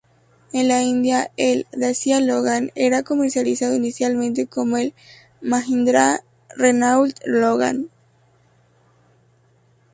En la India, el "Dacia Logan" era comercializado inicialmente como el "Mahindra-Renault Logan".